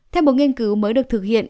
theo một nghiên cứu mới được thực hiện